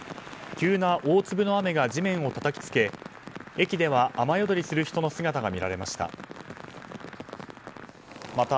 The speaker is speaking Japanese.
急な大粒の雨が地面をたたきつけ駅では雨宿りする人の姿が見られました。